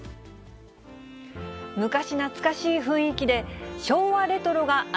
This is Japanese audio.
昔懐かしい雰囲気で、昭和レ